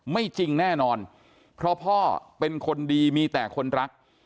ไม่จริงแน่นอนเพราะพ่อเป็นคนดีมีแต่คนรัก